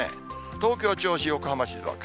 東京、銚子、横浜、静岡。